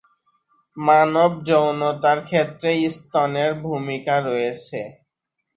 মানব যৌনতার ক্ষেত্রে স্তনের ভূমিকা রয়েছে।